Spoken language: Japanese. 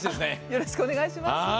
よろしくお願いします。